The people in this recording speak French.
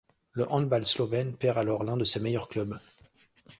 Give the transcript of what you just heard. Le handball slovène perd alors l'un de ses meilleurs clubs.